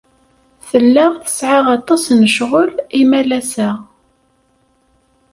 Tella tesɛa aṭas n ccɣel imalas-a.